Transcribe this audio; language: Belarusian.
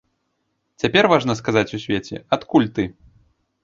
Цяпер важна сказаць у свеце, адкуль ты.